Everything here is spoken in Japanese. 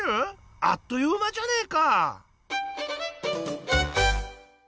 あっという間じゃねえか！